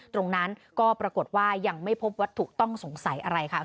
ตรงนั้นก็ปรากฏว่ายังไม่พบวัตถุต้องสงสัยอะไรค่ะ